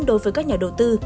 đối với các nhà đầu tư